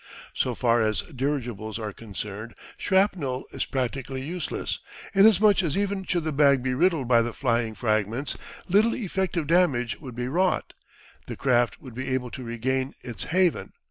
So far as dirigibles are concerned shrapnel is practically useless, inasmuch as even should the bag be riddled by the flying fragments, little effective damage would be wrought the craft would be able to regain its haven.